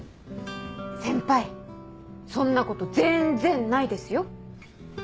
先輩そんなこと全然ないですよ。